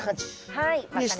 はい。